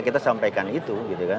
kita sampaikan itu